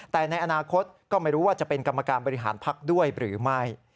แต่ในอนาคตก็ไม่รู้ว่าจะเป็นกรรมการบริหารพักด้วยหรือไม่